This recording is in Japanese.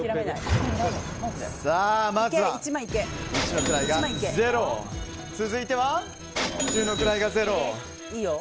まずは一の位が、０。続いては十の位が、０。